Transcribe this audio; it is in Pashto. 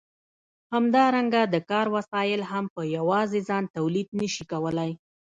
همدارنګه د کار وسایل هم په یوازې ځان تولید نشي کولای.